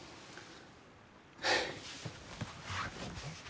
はあ。